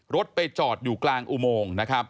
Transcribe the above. รถไปจอดอยู่กลางอุโมง